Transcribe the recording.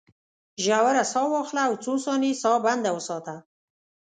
ژوره ساه واخله او څو ثانیې ساه بنده وساته.